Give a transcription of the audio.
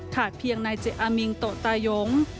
เพียงนายเจอามิงโตะตายง